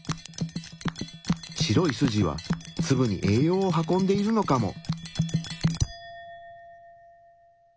白い筋はツブに栄養を運んでいるのかも。